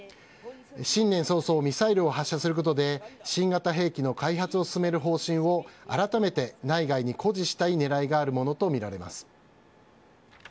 新年早々、ミサイルを発射することで、新型兵器の開発を進める方針を、改めて内外に誇示したいねらいがあるものと見られます。